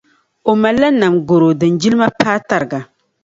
O mali la nam garo din jilma paai targa.